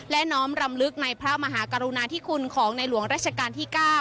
และน้อมรำลึกในพระมหากรุณาธิคุณของในหลวงราชการที่๙